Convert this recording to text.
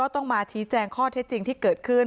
ต้องมาชี้แจงข้อเท็จจริงที่เกิดขึ้น